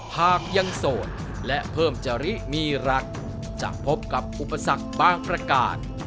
หากยังโสดและเพิ่มจริมีรักจะพบกับอุปสรรคบางประการ